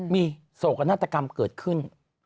มีโศกนาฏกรรมเกิดขึ้น